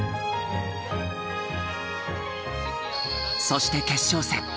そして決勝戦。